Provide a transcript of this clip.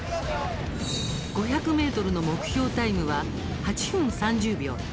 ５００ｍの目標タイムは８分３０秒。